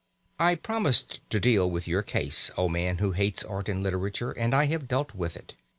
I promised to deal with your case, O man who hates art and literature, and I have dealt with it.